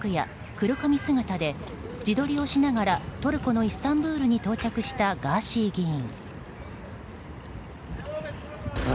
黒髪姿で自撮りをしながらトルコのイスタンブールに到着したガーシー議員。